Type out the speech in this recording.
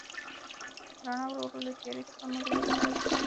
رڼا ورو ورو له تیارې څخه زموږ لوري ته راځي.